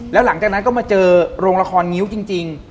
แล้วหลังจากนั้นก็มาเจอโรงละครงิ้วจริง